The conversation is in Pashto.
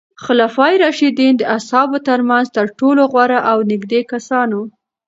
خلفای راشدین د اصحابو ترمنځ تر ټولو غوره او نږدې کسان وو.